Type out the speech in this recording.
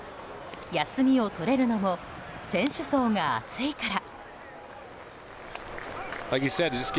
休みを取れるのも選手層が厚いから。